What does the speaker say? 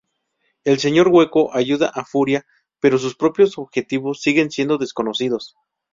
El Señor hueco ayuda a Furia, pero sus propios objetivos siguen siendo desconocidos.